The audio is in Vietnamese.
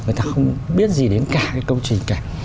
người ta không biết gì đến cả cái công trình cả